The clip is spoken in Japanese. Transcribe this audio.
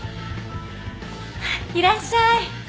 いらっしゃい。